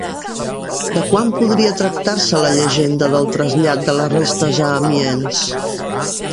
De quan podria tractar-se la llegenda del trasllat de les restes a Amiens?